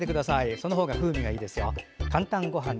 その方が風味がいいですよ。